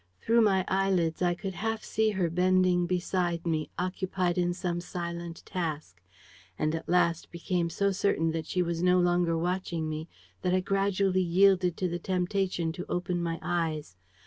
Through my eyelids I could half see her bending beside me, occupied in some silent task; and at last I became so certain that she was no longer watching me that I gradually yielded to the temptation to open my eyes.